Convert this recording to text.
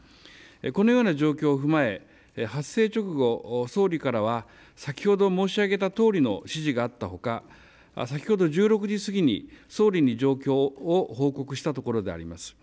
このような状況を踏まえ発災直後、総理からは先ほど申し上げたとおりの指示があったほか先ほど１６時過ぎに総理に状況を報告したところであります。